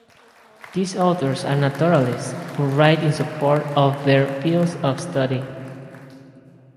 These authors are naturalists, who write in support of their fields of study.